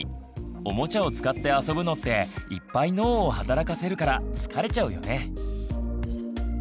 おもちゃを使って遊ぶのっていっぱい脳を働かせるから疲れちゃうよね！